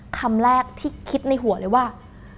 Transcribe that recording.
คำแรกที่คิดในหัวเลยว่า